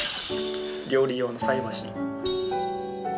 料理用の菜箸。